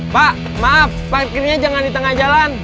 pak maaf parkirnya jangan di tengah jalan